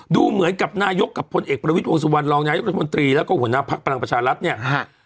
ดูเหมือนกับนายกกับพลเอกประวิทย์วงสุวรรณรองนายกรัฐมนตรีแล้วก็หัวหน้าพักพลังประชารัฐเนี่ย